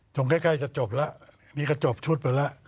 ตรงใกล้จะจบละนี่ก็จบชุดไปละ